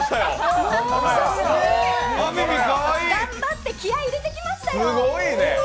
頑張って気合い入れて来ましたよ。